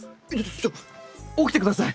ちょっと起きて下さい。